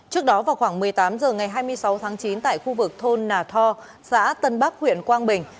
trước đó vào khoảng một mươi tám h ngày hai mươi sáu tháng chín tại khu vực thôn nà tho xã tân bắc huyện quang bình